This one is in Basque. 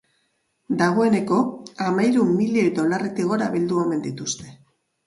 Dagoeneko hamahiru milioi dolarretik gora bildu omen dituzte.